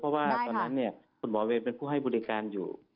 เพราะว่าตอนนั้นคุณหมอเวรเป็นผู้ให้บริการอยู่